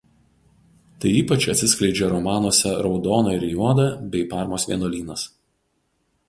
Tai ypač atsiskleidžia romanuose „Raudona ir Juoda“ bei „Parmos vienuolynas“.